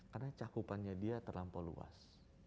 karena cakupannya dia terlampau luas